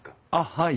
はい。